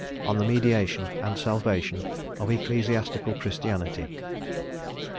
ON THE MEDIATION AND SALVATION OF ECCLESIASTICAL CHRISTIANITY.